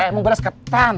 hei mau balas kataan